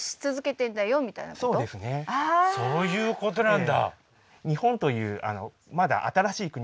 そういうことなんだ。